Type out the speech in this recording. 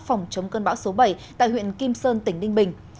phòng chống cơn bão số bảy tại huyện kim sơn tỉnh ninh bình